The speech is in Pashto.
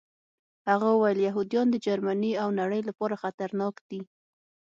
هغه وویل یهودان د جرمني او نړۍ لپاره خطرناک دي